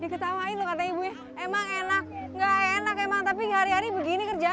diketawain loh kata ibunya emang enak gak enak emang tapi hari hari begini kerjanya ya bu